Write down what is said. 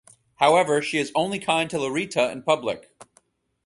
However, she is only kind to Larita in public.